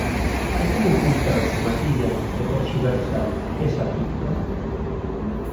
¿E como ocultan, maquillan e terxiversan esa cifra?